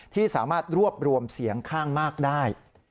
ที่สามารถรวบรวมเสียงข้างมากได้